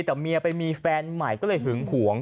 แต่เมียไปมีแฟนใหม่ก็เลยหึงหวง